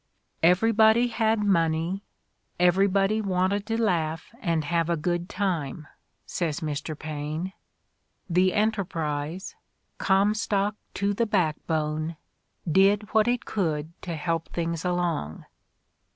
'' Everybody had money ; everybody wanted to laugh and have a good time, '' says Mr. Paine. 82 The Ordeal of Mark Twain "The Enterprise, 'Comstoek to the backbone,' did what it could to help things along."